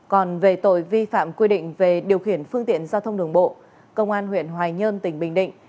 còn về tội vi phạm quy định về điều khiển phương tiện giao thông đường bộ công an huyện hoài nhơn tỉnh bình định